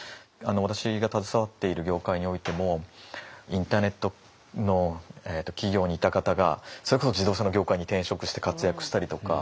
私が携わっている業界においてもインターネットの企業にいた方がそれこそ自動車の業界に転職して活躍したりとか。